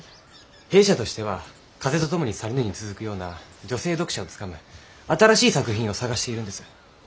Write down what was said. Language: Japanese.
弊社としては「風と共に去りぬ」に続くような女性読者をつかむ新しい作品を探しているんです。